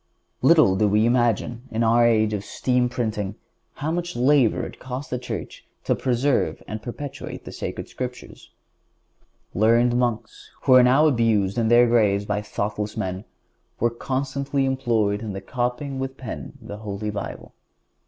(151) Little do we imagine, in our age of steam printing, how much labor it cost the Church to preserve and perpetuate the Sacred Scriptures. Learned monks, who are now abused in their graves by thoughtless men, were constantly employed in copying with the pen the Holy Bible.